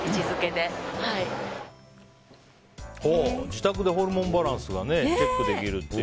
自宅でホルモンバランスがチェックできると。